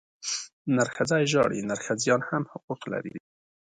نرښځی ژاړي، نرښځيان هم حقوق لري.